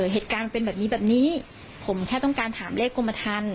เหตุการณ์เป็นแบบนี้แบบนี้ผมแค่ต้องการถามเลขกรมธรรม